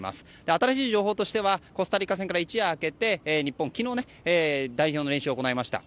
新しい情報としてはコスタリカ戦から一夜明けて昨日、代表の練習を行いました。